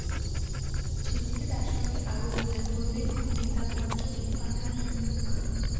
ছবিটিতে তাঁর সঙ্গে আরও অভিনয় করবেন অমিতাভ বচ্চন, ইরফান খান প্রমুখ।